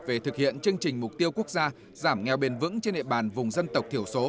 về thực hiện chương trình mục tiêu quốc gia giảm nghèo bền vững trên địa bàn vùng dân tộc thiểu số